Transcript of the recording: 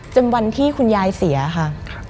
จนวันที่คุณยายเสียค่ะ